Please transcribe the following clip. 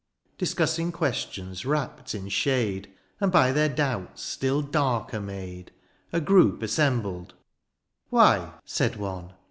Discussing questions wrapped in shade. And by their doubts still darker made. THE AREOPAGITE. 17 A group assembled ;" Why*' said one.